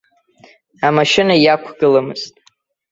Амашьына иақәгыламызт.